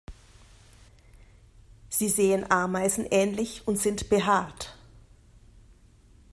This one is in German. Sie sehen Ameisen ähnlich und sind behaart.